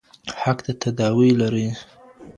حق د تداوۍ لرۍ